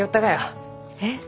えっ？